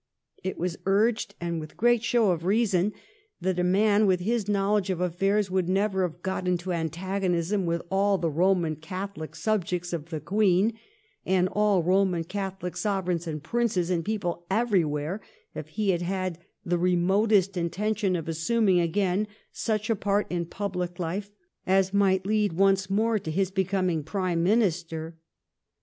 It was urged, and with great show of reason, that a man with his knowledge of affairs would never have got into antagonism with all the Roman Catholic subjects of the Queen and all Roman Catholic sovereigns and princes and people everywhere if he had the remotest inten tion of assuming again such a part in public life as might lead once more to his becoming Prime Minister.